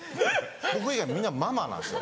僕以外みんなママなんですよ。